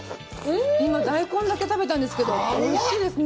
今、大根だけ食べたんですけど、おいしいですね。